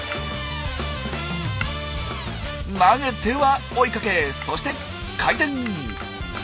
投げては追いかけそして回転。